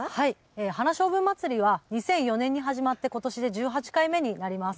花しょうぶ祭りは２００４年に始まって、ことしで１８回目になります。